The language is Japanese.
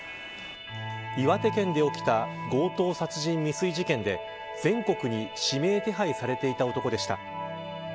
岩手県で起きた強盗殺人未遂事件で全国に指名手配されていた男でした。